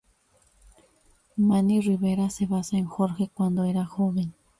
Manny Rivera se basa en Jorge cuando era joven.